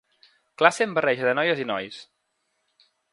Classe amb barreja de noies i nois.